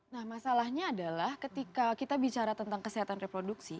nah masalahnya adalah ketika kita bicara tentang kesehatan reproduksi